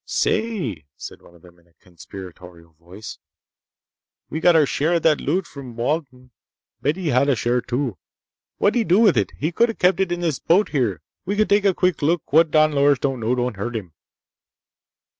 "Say!" said one of them in a conspiratorial voice. "We got our share of that loot from Walden. But he hadda share, too! What'd he do with it? He could've kept it in this boat here. We could take a quick look! What Don Loris don't know don't hurt him!"